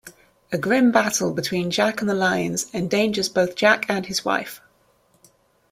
A grim battle between Jack and the lions endangers both Jack and his wife.